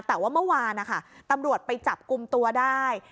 แต่ว่าเมื่อวานนะคะตำรวจไปจับกลุ่มตัวได้